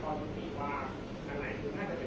แต่ว่าไม่มีปรากฏว่าถ้าเกิดคนให้ยาที่๓๑